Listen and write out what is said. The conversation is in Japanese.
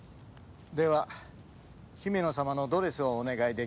ではヒメノ様のドレスをお願いできますか？